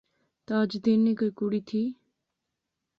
تاج دین نی کوئی کڑی تھی؟